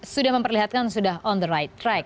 sudah memperlihatkan sudah on the right track